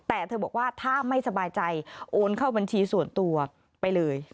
แต่เธอบอกว่าถ้าไม่สบายใจโอนเข้าบัญชีส่วนตัวไปเลย